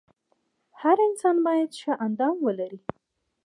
هر انسان باید ښه اندام ولري .